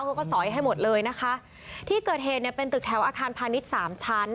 เขาก็สอยให้หมดเลยนะคะที่เกิดเหตุเนี่ยเป็นตึกแถวอาคารพาณิชย์สามชั้น